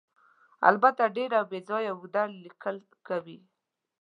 البته ډېر او بې ځایه اوږده لیکل کوي.